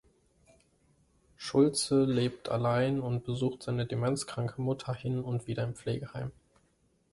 Schultze lebt allein und besucht seine demenzkranke Mutter hin und wieder im Pflegeheim.